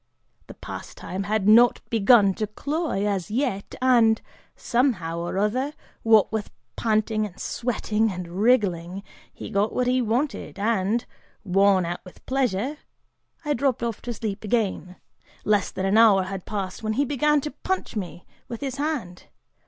The pastime had not begun to cloy, as yet, and, somehow or other, what with panting and sweating and wriggling, he got what he wanted and, worn out with pleasure, I dropped off to sleep again. Less than an hour had passed when he began to punch me with his hand.